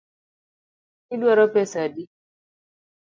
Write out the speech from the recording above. Iduaro pesa adi?